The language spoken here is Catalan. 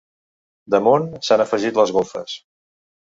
Damunt s'han afegit les golfes.